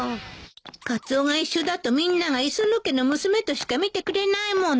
カツオが一緒だとみんなが磯野家の娘としか見てくれないもの